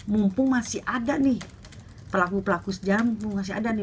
mumpung masih ada nih pelaku pelaku sejarah mumpung masih ada nih